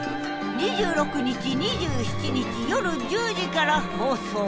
２６日２７日夜１０時から放送。